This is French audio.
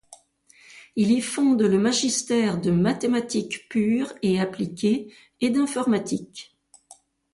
Il y fonde le magistère de mathématiques pures et appliquées et d'informatique.